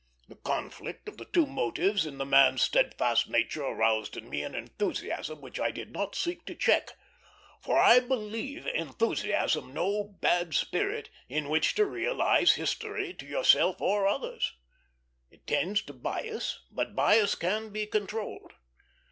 The conflict of the two motives in the man's steadfast nature aroused in me an enthusiasm which I did not seek to check; for I believe enthusiasm no bad spirit in which to realize history to yourself or others. It tends to bias; but bias can be controlled.